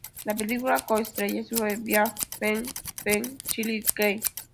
La película co-estrellas Yuen Biao, Feng Feng y Shih Kien.